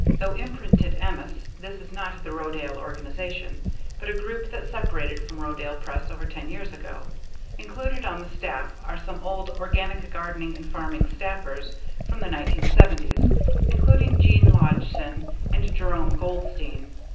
Though imprinted "Emmaus" this is not the Rodale organization, but a group that separated from Rodale Press over ten years ago. included on the staff are some old Organic Gardening and Farming staffers from the 1970s, including Gene Logdson and Jerome Goldstein.